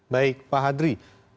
baik pak hadri